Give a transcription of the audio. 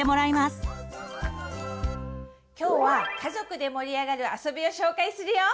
今日は家族で盛り上がるあそびを紹介するよ！